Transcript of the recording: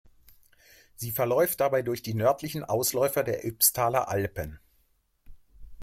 Sie verläuft dabei durch die nördlichen Ausläufer der Ybbstaler Alpen.